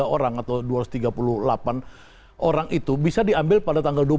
dua ratus empat puluh tiga orang atau dua ratus tiga puluh delapan orang itu bisa diambil pada tanggal